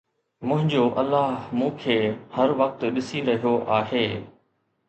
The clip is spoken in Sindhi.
منهنجو الله مون کي هر وقت ڏسي رهيو آهي.